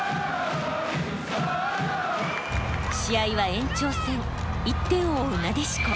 試合は延長戦１点を追うなでしこ。